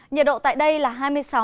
nhiệt độ tại đây là hai ba độ